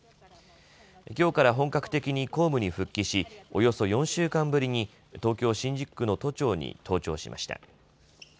きょうから本格的に公務に復帰しおよそ４週間ぶりに東京新宿区の都庁に登庁しました。